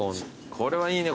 これはいいね